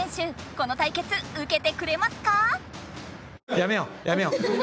この対決うけてくれますか？